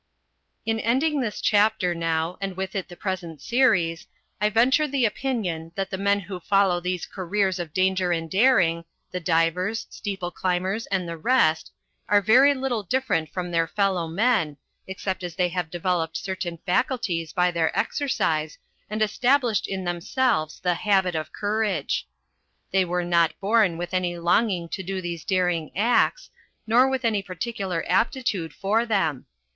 In ending this chapter now, and with it the present series, I venture the opinion that the men who follow these Careers of Danger and Daring the divers, steeple climbers, and the rest are very little different from their fellow men, except as they have developed certain faculties by their exercise, and established in themselves the habit of courage. They were not born with any longing to do these daring acts, nor with any particular aptitude for them.